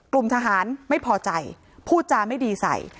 กลุ่มทหารไม่พอใจพูดจาไม่ดีใส่